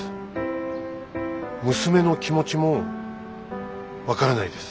娘の気持ちも分からないです。